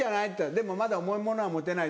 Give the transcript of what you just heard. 「でもまだ重いものは持てない」。